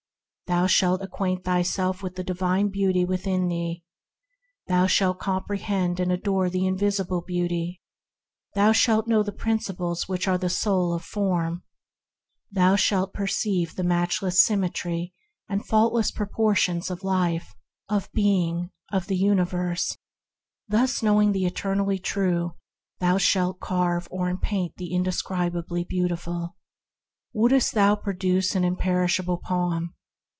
Thou shalt acquaint thyself with the divine Beauty within thee. Thou shalt comprehend and adore the Invisible Beauty; thou shalt know the Principles that are the soul of Form; thou shalt perceive the matchless symmetry and fault less proportions of Life, of Being, of the Universe: thus knowing the eternally True thou shalt carve or paint the indescribably Beautiful. 150 THE HEAVENLY LIFE Wouldst thou produce an imperishable poem?